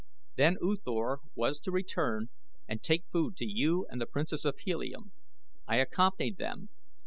Then U Thor was to return and take food to you and the Princess of Helium. I accompanied them.